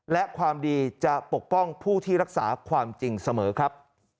และความดีจะปกป้องผู้ที่รักษาความจริงเสมอครับ